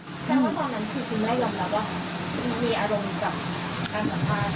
แสดงว่าตอนนั้นคือคุณแม่ยอมรับว่ามีอารมณ์กับการสัมภาษณ์